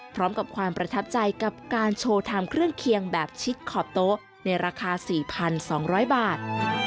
พร้อมกับความประทับใจกับการโชว์ทำเครื่องเคียงแบบชิดขอบโต๊ะในราคา๔๒๐๐บาท